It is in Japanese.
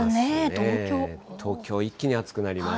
東京、一気に暑くなります。